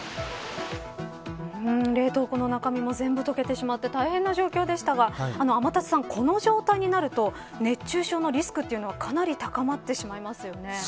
冷凍庫の中身も全部溶けてしまって大変な状況でしたがこの状態になると熱中症のリスクっていうのはかなり高まってしまいますよね。